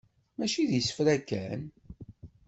Mačči d isefra kan.